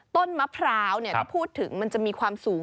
ต้นมะพร้าวที่พูดถึงมันจะมีความสูง